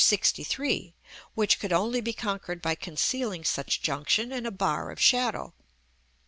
LXIII., which could only be conquered by concealing such junction in a bar of shadow.